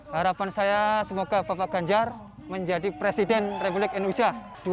harapan saya semoga bapak ganjar menjadi presiden republik indonesia dua ribu dua puluh